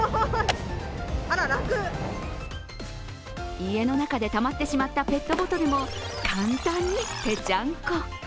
家の中でたまってしまったペットボトルも簡単にぺちゃんこ。